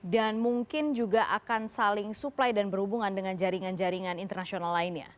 dan mungkin juga akan saling supply dan berhubungan dengan jaringan jaringan internasional lainnya